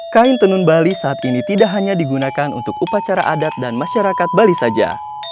kain tenun bali saat ini tidak hanya digunakan untuk upacara adat dan masyarakat bali saja